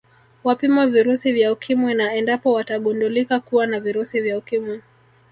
Wapimwe virusi vya Ukimwi na endapo watagundulika kuwa na virusi vya Ukimwi